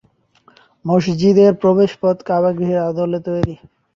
মসজিদের প্রবেশপথ কাবা গৃহের আদলে তৈরী।